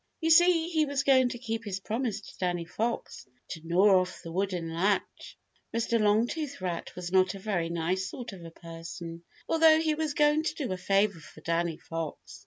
You see, he was going to keep his promise to Danny Fox to gnaw off the wooden latch. Mr. Longtooth Rat was not a very nice sort of a person, although he was going to do a favor for Danny Fox.